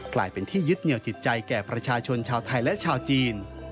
กลายเป็นที่ยึดเหนียวจิตใจแก่ประชาชนชาวไทยและชาวจีน